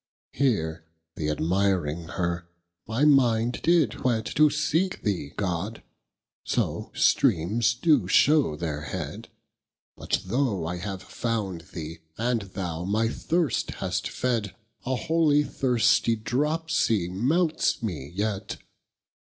Here the admyring her my mind did whett To seeke thee God; so streames do shew their head; But though I have found thee, and thou my thirst hast fed, A holy thirsty dropsy melts mee yet.